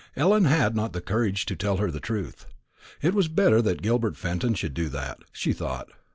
Ellen had not the courage to tell her the truth. It was better that Gilbert Fenton should do that, she thought.